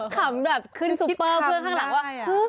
ขำแบบขึ้นซุปเปอร์เพื่อนข้างหลังว่า